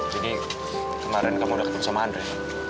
jadi kemarin kamu udah ketemu sama andre